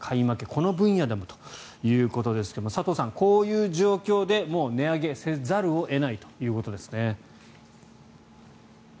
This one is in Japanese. この分野でもということですが佐藤さん、こういう状況でもう値上げせざるを得ないということですね。